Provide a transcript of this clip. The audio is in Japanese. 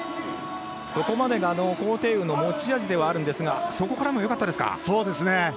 そこまでが高亭宇の持ち味ではあるんですがそこからもよかったですか。